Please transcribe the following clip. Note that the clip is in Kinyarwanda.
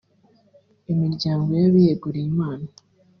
imiryango y’abiyeguriyimana